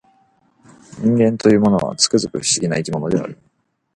人間というものは、つくづく不思議な生き物である